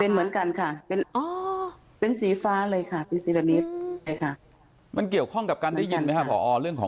เป็นเหมือนกันค่ะเป็นสีฟ้าเลยค่ะเป็นสีแบบนี้เลยค่ะ